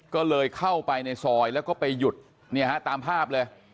ก็เลยเข้าไปในซอยแล้วก็ไปหยุดเนี่ยฮะตามภาพเลย